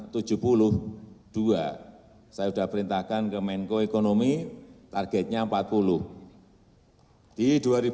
saya sudah perintahkan ke menko ekonomi targetnya empat puluh di dua ribu dua puluh